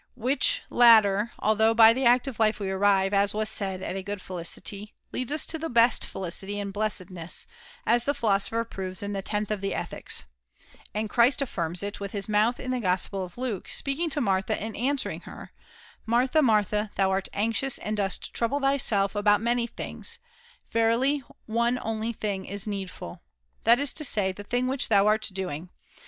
Which [90J latter (although by the active life we arrive, as was said, at a good felicity) leads us to the best felicity and blessed ness, as the Philosopher proves in the tenth of the Ethics, And Christ affirms it with his mouth in the Gospel of Luke, speaking to Martha, and answering her :' Martha, Martha, thou art anxious and dost trouble thyself about many things ; verily one only thing is needful ;' that is to say, the thing which thou art doing.